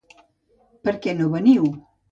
Per què no veniu?